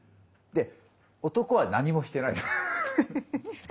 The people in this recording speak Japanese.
で男は何もしてないの。